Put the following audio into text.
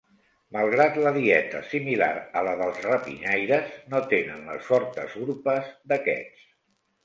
Malgrat la dieta similar a la dels rapinyaires, no tenen les fortes urpes d'aquests.